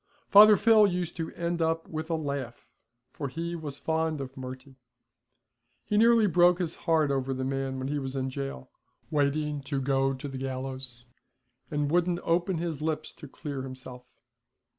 Father Phil used to end it up with a laugh, for he was fond of Murty. He nearly broke his heart over the man when he was in jail, waiting to go to the gallows, and wouldn't open his lips to clear himself.